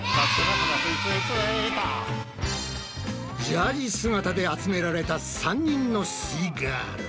ジャージ姿で集められた３人のすイガール。